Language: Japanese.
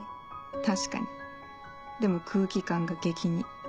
確かにでも空気感が激似。